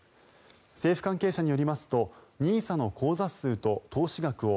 政府関係者によりますとＮＩＳＡの口座数と投資額を